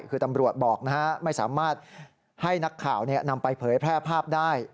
คือตำรวจบอกนะฮะไม่สามารถให้นักข่าวนำไปเผยแพร่ภาพได้